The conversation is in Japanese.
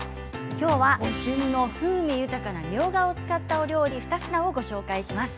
きょうは旬の風味豊かなみょうがを使った料理２品をご紹介します。